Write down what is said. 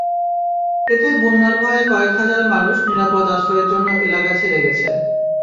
এতে বন্যার ভয়ে কয়েক হাজার মানুষ নিরাপদ আশ্রয়ের জন্য এলাকা ছেড়ে গেছে।